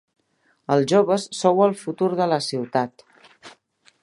Els joves sou el futur de la ciutat.